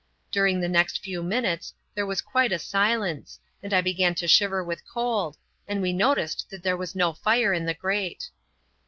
During the next few minutes there was quite a silence, and I began to shiver with cold, and we noticed that there was no fire in the grate.